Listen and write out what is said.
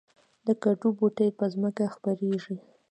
د کدو بوټی په ځمکه خپریږي